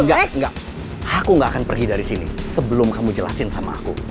enggak enggak aku gak akan pergi dari sini sebelum kamu jelasin sama aku